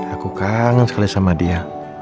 aku kangen sekali sama dia